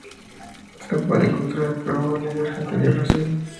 Se puede encontrar en Perú, Bolivia, Argentina y Brasil.